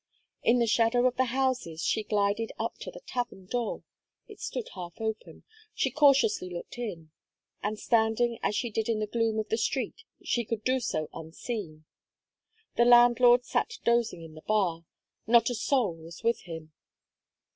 In the shadow of the houses, she glided up to the tavern door it stood half open she cautiously looked in; and standing, as she did in the gloom of the street, she could do so unseen. The landlord sat dozing in the bar not a soul was with him.